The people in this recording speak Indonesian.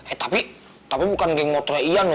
eh tapi tapi bukan geng motoreian loh